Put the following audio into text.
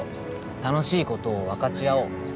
たのしいことをわかちあおう」